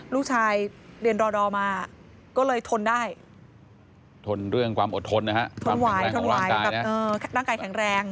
ลูกชายเรียนรอดอมาก็เลยทนได้ทนเรื่องความอดทนนะฮะทนไหวทนไหวแบบร่างกายแข็งแรง